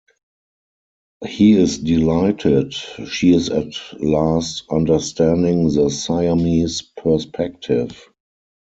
He is delighted; she is at last understanding the Siamese perspective.